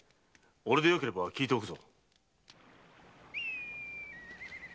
俺でよければ聞いておくぞ。